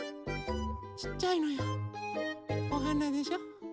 ちっちゃいのよ。おはなでしょ。